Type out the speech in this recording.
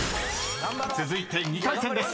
［続いて２回戦です］